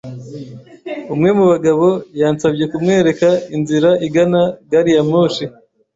Umwe mu bagabo yansabye kumwereka inzira igana gariyamoshi.